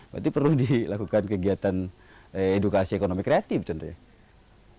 berarti perlu dilakukan kegiatan edukasi ekonomi kreatif tentunya